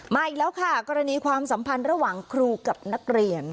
อีกแล้วค่ะกรณีความสัมพันธ์ระหว่างครูกับนักเรียน